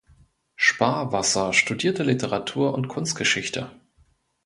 Sparwasser studierte Literatur- und Kunstgeschichte.